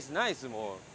もう。